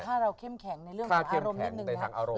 ถ้าเราเข้มแข็งในเรื่องของอารมณ์นิดนึงนะครับ